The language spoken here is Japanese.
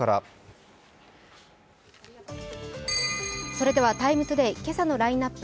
それでは「ＴＩＭＥ，ＴＯＤＡＹ」今朝のラインナップ